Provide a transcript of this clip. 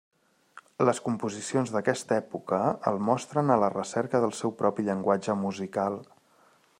Les composicions d'aquesta època el mostren a la recerca del seu propi llenguatge musical.